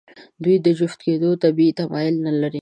دوی د جفت کېدو طبیعي تمایل نهلري.